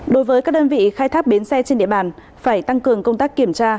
đối với các đơn vị khai thác bến xe trên địa bàn phải tăng cường công tác kiểm tra